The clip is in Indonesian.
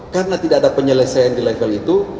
karena tidak ada penyelesaian di level itu